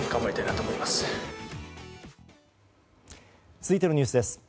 続いてのニュースです。